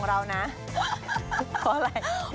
เพราะอะไร